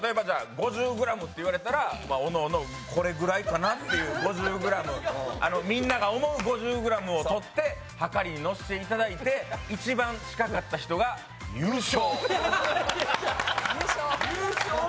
５０ｇって言われたらおのおの、これぐらいかなってみんなが思う５０ｇを取ってはかりに載せて、一番近かった人が優勝。